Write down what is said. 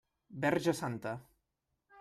Verge Santa!